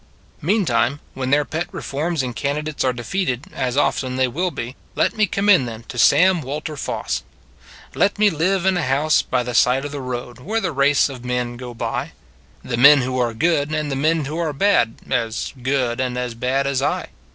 Meantime, when their pet reforms and candidates are defeated as often they will be < let me commend to them Sam Walter Foss: Let me live in a house by the side of the road, Where the race of men go by The men who are good, and the men who are bad, As good and as bad as I.